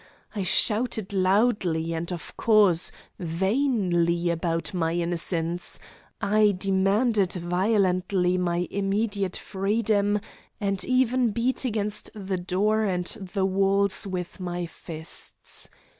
I shouted loudly and, of course, vainly about my innocence; I demanded violently my immediate freedom and even beat against the door and the walls with my fists.